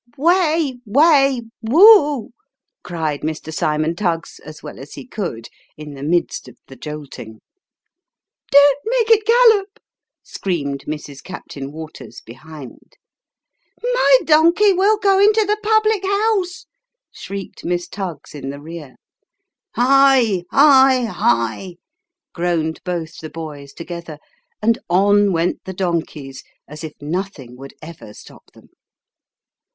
" Way way ! Wo o o o !" cried Mr. Cymon Tuggs as well as he could, in the midst of the jolting. " Don't make it gallop !" screamed Mrs. Captain Waters, behind. Towards Parnassus on a Donkey. 261 " My donkey will go into the public honse !" shrieked Miss Tuggs in the rear. " Hi hi hi !" groaned both the boys together ; and on went the donkeys as if nothing would ever stop them.